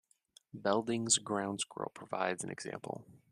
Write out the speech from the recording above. Belding's ground squirrel provides an example.